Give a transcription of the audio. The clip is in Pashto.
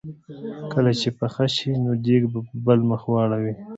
کله چې پخه شي نو دیګ په بل مخ واړوي.